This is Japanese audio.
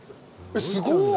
すごい。